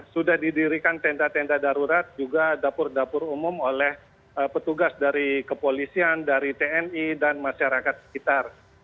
sudah didirikan tenda tenda darurat juga dapur dapur umum oleh petugas dari kepolisian dari tni dan masyarakat sekitar